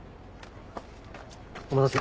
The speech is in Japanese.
・お待たせ。